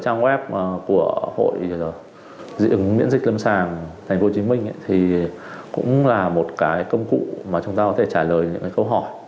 trang web của hội diện miễn dịch lâm sàng tp hcm thì cũng là một cái công cụ mà chúng ta có thể trả lời những câu hỏi